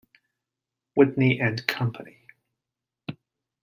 Whitney and Company.